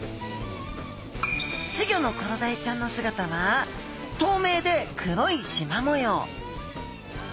稚魚のコロダイちゃんの姿は透明で黒いしま模様。